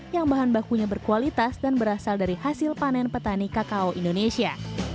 yang bahan bakunya berkualitas dan berasal dari hasil panen petani kakao indonesia